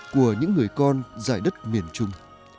của những người con dài đất miền trung